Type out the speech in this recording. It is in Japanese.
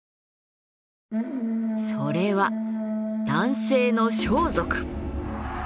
それは男性の装束。